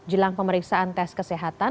jelang pemeriksaan tes kesehatan